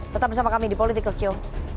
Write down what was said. tetap bersama kami di political show